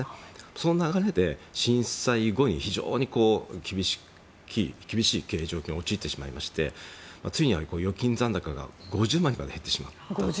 その流れで震災後に非常に厳しい経営状況に陥ってしまいましてついには預金残高が５０万円にまで減ってしまった。